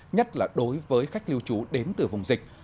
nhất là đối với khách lưu trú đến từ vùng dịch